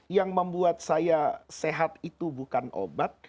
yang membuat saya sehat itu bukan obat